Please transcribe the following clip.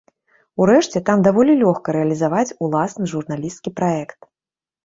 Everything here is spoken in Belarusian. Урэшце, там даволі лёгка рэалізаваць уласны журналісцкі праект.